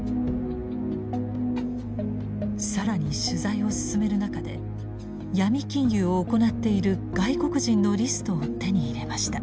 更に取材を進める中で闇金融を行っている外国人のリストを手に入れました。